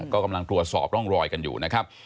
ก็กำลังตรวจสอบร่องรอยกันอยู่นะครับ